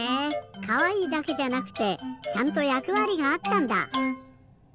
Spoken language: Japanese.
かわいいだけじゃなくてちゃんとやくわりがあったんだ！